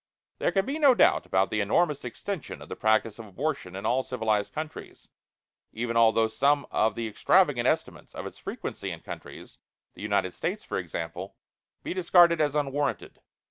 There can be no doubt about the enormous extension of the practice of abortion in all civilized countries, even although some of the extravagant estimates of its frequency in countries, the United States for example, be discarded as unwarranted.